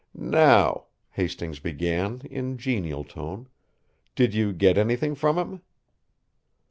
"Now," Hastings began, in genial tone; "did you get anything from him?"